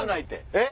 えっ？